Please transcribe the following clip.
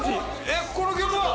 えっこの曲は。